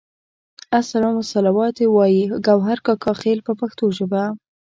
السلام والصلوات وایي ګوهر کاکا خیل په پښتو ژبه.